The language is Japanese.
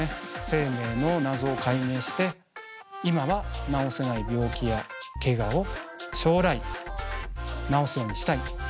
生命の謎を解明して今は治せない病気やけがを将来治すようにしたい。